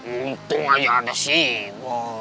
untung aja ada sih